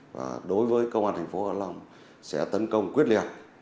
và đối với công an tp hạ long sẽ tấn công quyết liệt